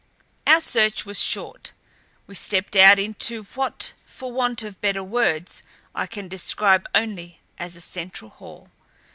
Our search was short. We stepped out into what for want of better words I can describe only as a central hall.